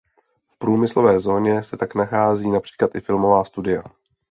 V průmyslové zóně se tak nacházejí například i filmová studia.